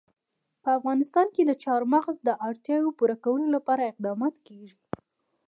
په افغانستان کې د چار مغز د اړتیاوو پوره کولو لپاره اقدامات کېږي.